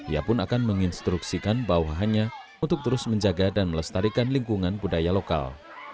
ia pun akan menginstruksikan bawahannya untuk terus menjaga dan melestarikan lingkungan budaya lokal